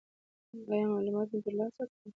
ایا معلومات مو ترلاسه کړل؟